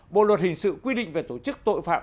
bộ luật hình sự quy định về tổ chức tội phạm